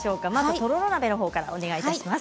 とろろ鍋のほうからお願いします。